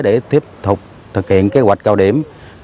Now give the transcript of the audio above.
để tiếp tục thực hiện kế hoạch cao điểm